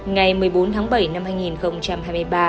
ngày một mươi bốn tháng bảy năm hai nghìn hai mươi ba